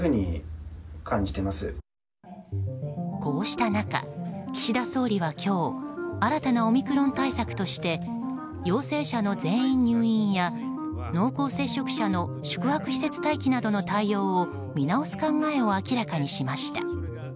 こうした中、岸田総理は今日新たなオミクロン対策として陽性者の全員入院や濃厚接触者の宿泊施設待機などの対応を見直す考えを明らかにしました。